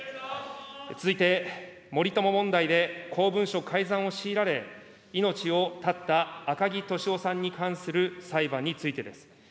続いて、森友問題で公文書改ざんを強いられ、命を絶った赤木俊夫さんに関する裁判についてです。